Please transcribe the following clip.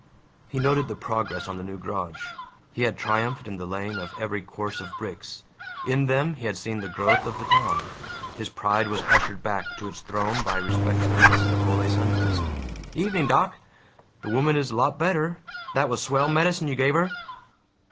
He noted the progress on the new garage. He had triumphed in the laying of every course of bricks; in them he had seen the growth of the town. His pride was ushered back to its throne by the respectfulness of Oley Sundquist: "Evenin', doc! The woman is a lot better. That was swell medicine you gave her."